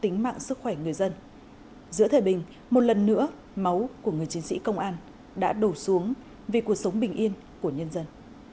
tính mạng sức khỏe người dân giữa thời bình một lần nữa máu của người chiến sĩ công an đã đổ xuống vì cuộc sống bình yên của nhân dân